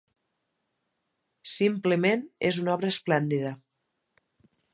Simplement és una obra esplèndida.